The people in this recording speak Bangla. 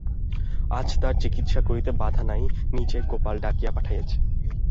আজ তার চিকিৎসা করিতে বাঁধা নাই, নিজে গোপাল ডাকিয়া পাঠাইয়াছে।